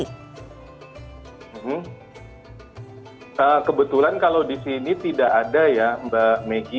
hmm kebetulan kalau di sini tidak ada ya mbak megi